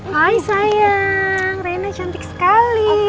hai sayang rena cantik sekali